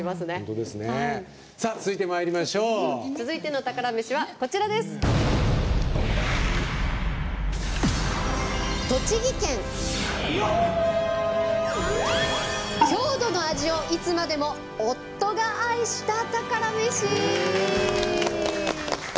続いての宝メシは栃木県「郷土の味をいつまでも夫が愛した宝メシ！」。